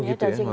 oh gitu ya